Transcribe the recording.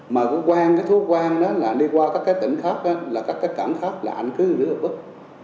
mà quang thú quang anh đi qua các tỉnh khác các cận khác anh cứ rửa bức